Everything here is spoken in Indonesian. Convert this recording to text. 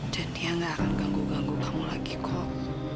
dan dia gak akan ganggu ganggu kamu lagi kok